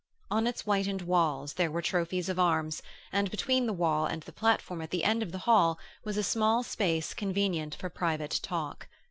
On its whitened walls there were trophies of arms, and between the wall and the platform at the end of the hall was a small space convenient for private talk.